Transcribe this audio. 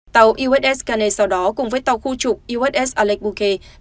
tàu uss cana sau đó cùng với tàu khu trục uss alec bouquet